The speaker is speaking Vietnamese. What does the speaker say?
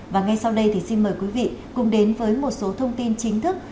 và ngay sau đây thì xin mời quý vị cùng đến với một số thông tin chính thức